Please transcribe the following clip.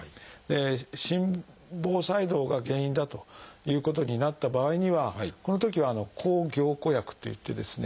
心房細動が原因だということになった場合にはこのときは「抗凝固薬」といってですね